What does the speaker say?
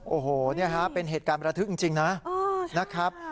โอ้โหนี่ฮะเป็นเหตุการณ์ประทึกจริงนะครับ